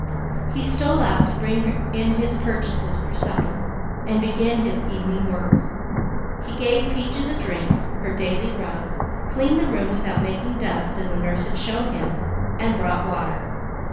He stole out to bring in his purchases for supper, and begin his evening work. He gave Peaches a drink, her daily rub, cleaned the room without making dust as the nurse had shown him, and brought water.